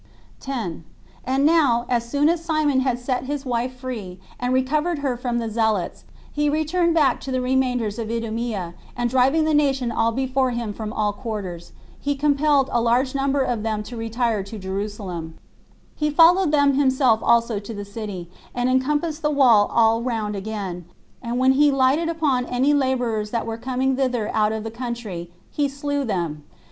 10. And now, as soon as Simon had set his wife free, and recovered her from the zealots, he returned back to the remainders of Idumea, and driving the nation all before him from all quarters, he compelled a great number of them to retire to Jerusalem; he followed them himself also to the city, and encompassed the wall all round again; and when he lighted upon any laborers that were coming thither out of the country, he slew them.